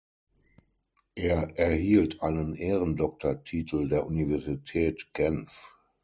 Er erhielt einen Ehrendoktortitel der Universität Genf.